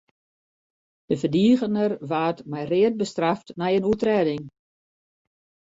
De ferdigener waard mei read bestraft nei in oertrêding.